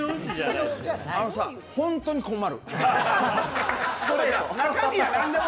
あのさ、本当に困る。